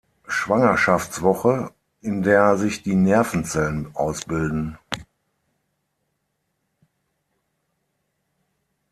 Schwangerschaftswoche, in der sich die Nervenzellen ausbilden.